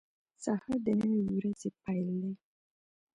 • سهار د نوې ورځې پیل دی.